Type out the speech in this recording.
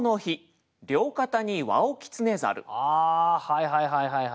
ああはいはいはいはい。